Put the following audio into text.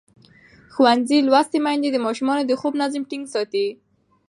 ښوونځې لوستې میندې د ماشومانو د خوب نظم ټینګ ساتي.